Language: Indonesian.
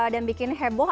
dan bikin heboh